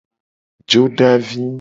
Jodavi.